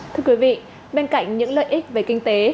thưa quý vị bên cạnh những lợi ích về kinh tế